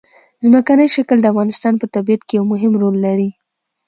ځمکنی شکل د افغانستان په طبیعت کې یو مهم رول لري.